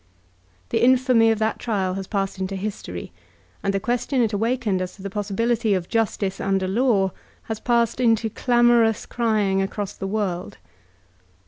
The infamy of that trial has passed into history, and the question it awakened as to the possibility of justice under law has passed into clamorous crying across the world.